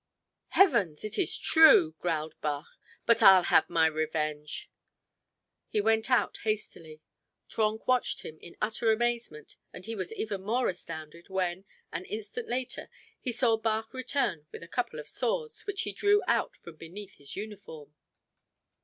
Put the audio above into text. "Heavens! It is true!" growled Bach. "But I'll have my revenge!" He went out hastily. Trenck watched him in utter amazement and he was even more astounded when, an instant later, he saw Bach return with a couple of swords, which he drew out from beneath his uniform.